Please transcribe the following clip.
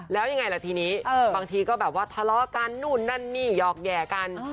แล้วยังไงล่ะทีนี้บางทีก็แบบว่าทะเลาะกันนู่นนั่นนี่หยอกแห่กัน